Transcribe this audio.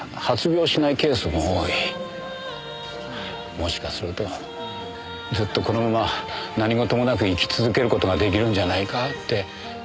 もしかするとずっとこのまま何事もなく生き続ける事が出来るんじゃないかって。